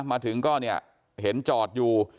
มาถึงก็เห็นจอดอยู่